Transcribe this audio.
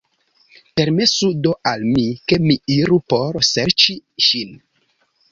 Permesu do al mi, ke mi iru por serĉi ŝin.